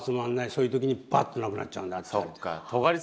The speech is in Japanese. そういう時にバッとなくなっちゃうんだって言われて。